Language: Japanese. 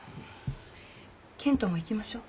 健人も行きましょう。